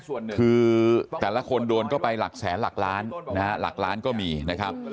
คือแต่ละคนโดนก็ไปหลักแสนหลักล้านนะฮะหลักล้านก็มีนะครับ